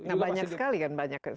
nah banyak sekali kan banyak